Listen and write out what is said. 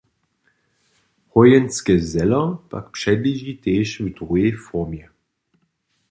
Hojenske zelo pak předleži tež w druhej formje.